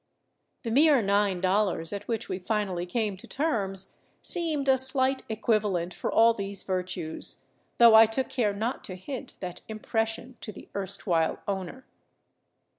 The mere nine dollars at which we finally came to terms seemed a slight equivalent for all these virtues, though I took care not to hint that impression to the erstwhile owner.